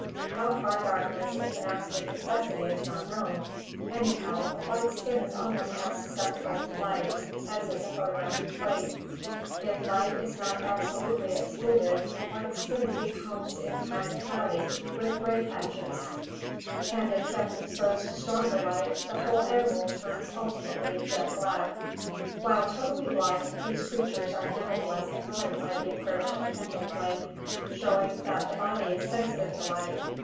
How far darkness is an absolute necessity is not known. Anyhow, the white skin is almost as susceptible to light as is a photographic plate. If light is not absolutely excluded the white skin becomes in time cloudy, with grey patches, and if kept exposed to stronger light, the whole animal turns ultimately jet black" (Gadow). While totally blind, these creatures are nevertheless annoyed by the approach of a candle flame, showing that the body is sensi tive to light.